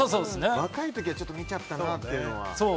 若い時はちょっと見ちゃったなというのは。